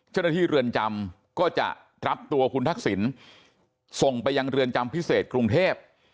เรือนจำก็จะรับตัวคุณทักษิณส่งไปยังเรือนจำพิเศษกรุงเทพ